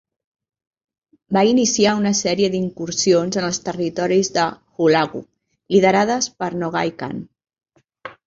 Va iniciar una sèrie d'incursions en els territoris de Hulagu, liderades per Nogai Khan.